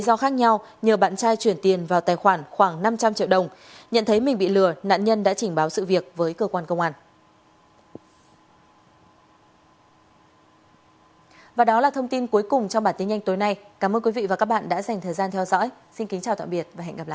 xin kính chào tạm biệt